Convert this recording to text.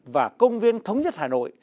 và công viên thống nhất hà nội